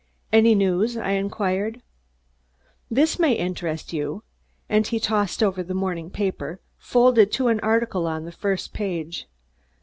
"Any news?" I inquired. "This may interest you," and he tossed over the morning paper folded to an article on the first page.